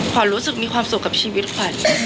รู้สึกมีความสุขกับชีวิตขวัญ